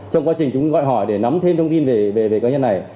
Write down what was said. trong quá trình chúng gọi hỏi để nắm thêm thông tin về cá nhân này